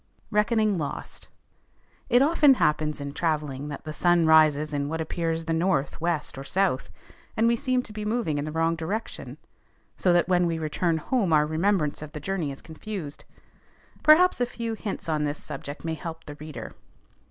RECKONING LOST. It often happens in travelling, that the sun rises in what appears the north, west, or south, and we seem to be moving in the wrong direction, so that when we return home our remembrance of the journey is confused. Perhaps a few hints on this subject may help the reader.